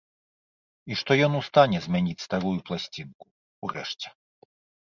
І што ён у стане змяніць старую пласцінку, урэшце.